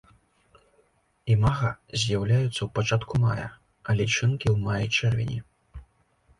Імага з'яўляюцца ў пачатку мая, а лічынкі ў маі-чэрвені.